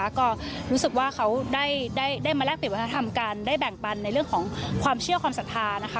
ก็รู้สึกว่าเขาได้มาแลกเปลี่ยนวัฒนธรรมกันได้แบ่งปันในเรื่องของความเชื่อความศรัทธานะคะ